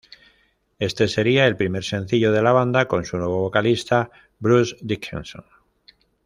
Este sería el primer sencillo de la banda con su nuevo vocalista, Bruce Dickinson.